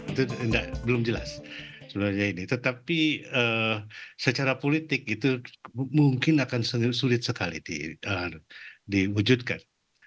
itu belum jelas sebenarnya ini tetapi secara politik itu mungkin akan sulit sekali diwujudkan